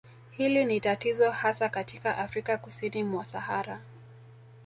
Hili ni tatizo hasa katika Afrika kusini mwa Sahara